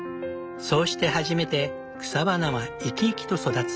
そうして初めて草花は生き生きと育つ。